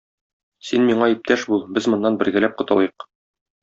Син миңа иптәш бул, без моннан бергәләп котылыйк.